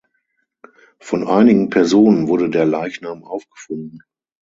Von einigen Personen wurde der Leichnam aufgefunden.